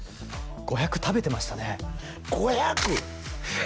５００食べてましたね５００！？